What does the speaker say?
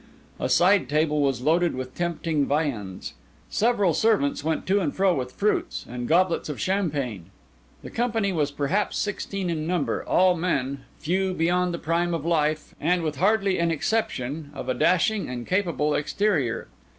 A side table was loaded with tempting viands. Several servants went to and fro with fruits and goblets of champagne. The company was perhaps sixteen in number, all men, few beyond the prime of life, and with hardly an exception, of a dashing and capable exterior.